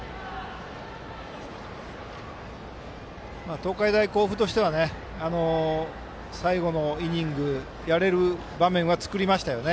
東海大甲府は最後のイニングやれる場面は作りましたよね。